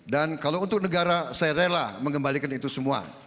dan kalau untuk negara saya rela mengembalikan itu semua